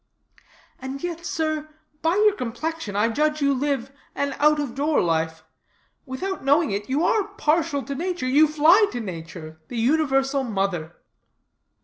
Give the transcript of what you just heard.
"And yet, sir, by your complexion, I judge you live an out of door life; without knowing it, you are partial to nature; you fly to nature, the universal mother."